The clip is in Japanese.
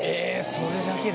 それだけで？